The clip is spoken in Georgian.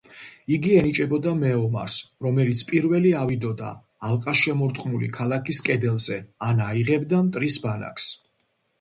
იგი ენიჭებოდა მეომარს რომელიც პირველი ავიდოდა ალყაშემორტყმული ქალაქის კედელზე, ან აიღებდა მტრის ბანაკს.